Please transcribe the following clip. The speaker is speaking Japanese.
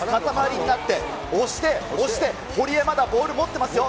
になって、押して押して、堀江、まだボール持ってますよ。